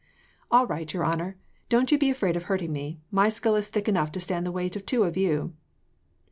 "All right, your honour. Don't you be afraid of hurting me. My skull is thick enough to stand the weight of two of you."